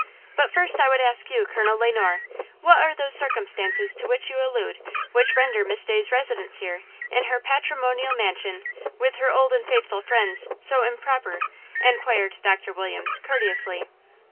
But first I would ask you, Colonel Le Noir, what are those circumstances to which you allude which render Miss Day's residence here, in her patrimonial mansion, with her old and faithful friends, so improper?" inquired Doctor Williams, courteously.